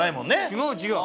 違う違う。